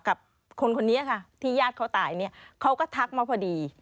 กับคนคนนี้ค่ะที่ญาติเขาตายเนี่ยเขาก็ทักมาพอดี